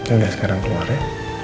udah sekarang keluar ya